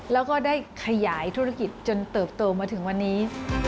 แล้วก็ได้ขยายธุรกิจจนเติบโตมาถึงวันนี้